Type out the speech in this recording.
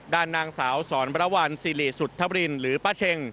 ด้านนางสาวสอนบรวรรณสิริสุทธบรินหรือป้าเช็ง